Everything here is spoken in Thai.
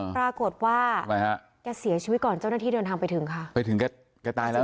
ปรากฏว่าเจ้าหน้าที่เดินทางไปถึงก็ทิ้งกัดตายแล้ว